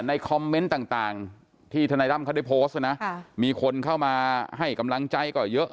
ในคอมเมนต์ต่างที่ธนายตั้มเขาได้โพสต์นะมีคนเข้ามาให้กำลังใจก็เยอะ